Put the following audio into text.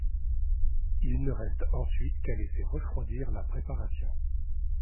Il ne reste ensuite qu’à laisser refroidir la préparation.